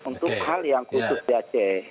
untuk hal yang khusus di aceh